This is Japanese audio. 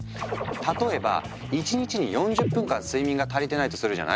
例えば１日に４０分間睡眠が足りてないとするじゃない？